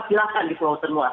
silakan di pulau terluar